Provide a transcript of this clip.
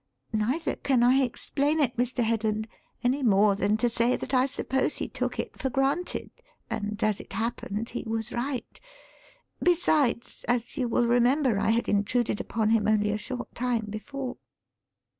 Neither can I explain it, Mr. Headland, any more than to say that I suppose he took it for granted. And, as it happened, he was right. Besides, as you will remember, I had intruded upon him only a short time before."